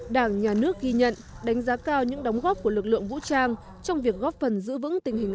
đảng nhà nước ghi nhận đánh giá cao những đóng góp của lực lượng vũ trang trong việc góp phần giữ vững tình hình